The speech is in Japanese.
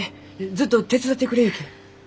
ずっと手伝ってくれゆうき。